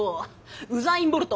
ウザインボルト！